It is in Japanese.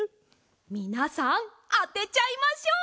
みなさんあてちゃいましょう！